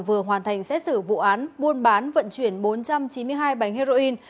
vừa hoàn thành xét xử vụ án buôn bán vận chuyển bốn trăm chín mươi hai bánh heroin